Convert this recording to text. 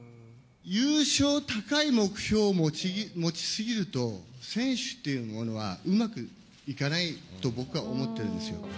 優勝、高い目標を持ち過ぎると、選手っていうものは、うまくいかないと僕は思ってるんですよ。